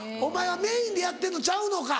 メインでやってんのちゃうのか。